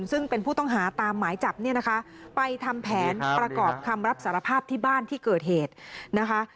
ซึ่งเป็นผู้ต้องหาตามหมายจับเนี่ยนะคะไปทำแผนประกอบคำรับสารภาพที่บ้านที่เกิดเหตุนะคะ